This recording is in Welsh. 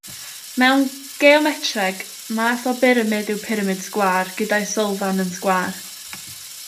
Mewn geometreg, math o byramid yw pyramid sgwâr, gyda'i sylfaen yn sgwâr.